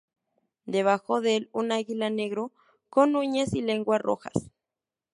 Debajo de el un águila negro con uñas y lengua rojas.